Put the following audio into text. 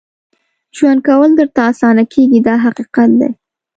ژوند کول درته اسانه کېږي دا حقیقت دی.